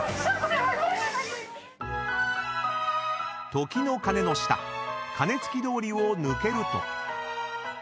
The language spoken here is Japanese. ［時の鐘の下鐘つき通りを抜けると］